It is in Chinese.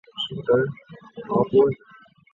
萨卡文。